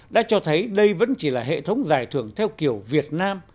đã cho thấy đây vẫn chỉ là hệ thống dài thường theo kiểu việt nam